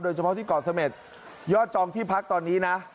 เฉพาะที่เกาะเสม็ดยอดจองที่พักตอนนี้นะ